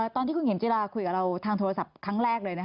ตอนที่คุณเข็มจิราคุยกับเราทางโทรศัพท์ครั้งแรกเลย